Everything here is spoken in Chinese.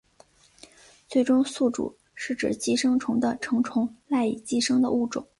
最终宿主是指寄生物的成虫赖以寄生的物种。